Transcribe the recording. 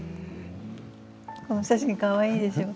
この写真かわいいでしょう？